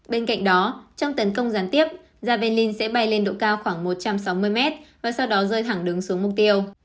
bên cạnh đó trong tấn công gián tiếp javelin sẽ bay lên độ cao khoảng một trăm sáu mươi m và sau đó rơi thẳng đứng xuống mục tiêu